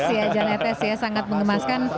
dan si jemes ya jan etes ya sangat mengemaskan